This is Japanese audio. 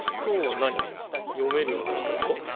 読めるようになるってこと？